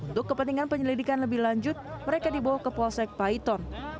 untuk kepentingan penyelidikan lebih lanjut mereka dibawa ke polsek paiton